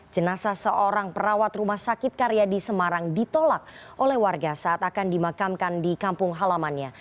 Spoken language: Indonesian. jenasa seorang perawat rumah sakit karya di semarang ditolak oleh warga saat akan dimakamkan di kampung halamannya